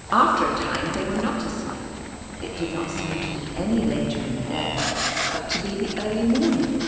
After a time they were not asleep. It did not seem to be any later in the day, but to be the early morning.